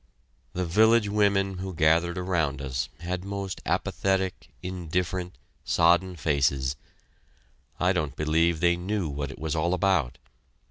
The village women who gathered around us had most apathetic, indifferent, sodden faces; I don't believe they knew what it was all about.